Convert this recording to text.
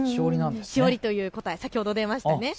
しおりという答え、先ほど出ましたね。